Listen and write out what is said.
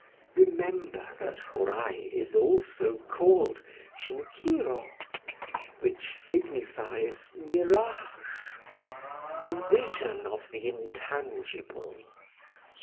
Remember that Hōrai is also called Shinkirō, which signifies Mirage,—the Vision of the Intangible.